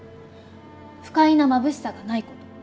不快なまぶしさがないこと。